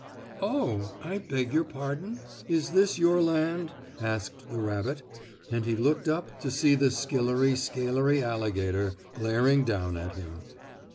"Oh, I beg your pardon. Is this your land?" asked the rabbit, and he looked up to see the skillery scalery alligator glaring down at him.